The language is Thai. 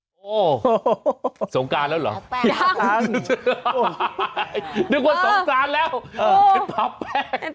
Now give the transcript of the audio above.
โอ้โหสงการแล้วเหรอนึกว่าสงการแล้วเป็นผับแป้ง